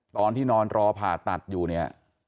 ตอนที่นอนรอผ่าตัดอยู่เนี่ย